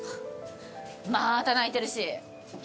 また泣いてるし！